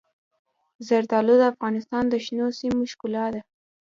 زردالو د افغانستان د شنو سیمو ښکلا ده.